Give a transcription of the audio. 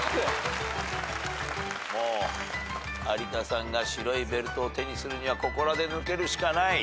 有田さんが白いベルトを手にするにはここらで抜けるしかない。